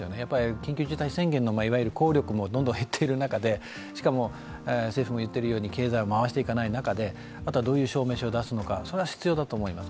緊急事態宣言の効力もどんどん減っている中でしかも政府も言ってるように経済を回していかないといけない中であとはどういう証明書を出すのか、それは必要だと思います。